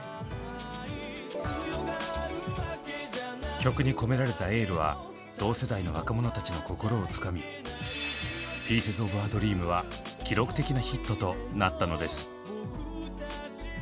曲に込められたエールは同世代の若者たちの心をつかみ「ＰＩＥＣＥＳＯＦＡＤＲＥＡＭ」は記録的なヒットとなったのです。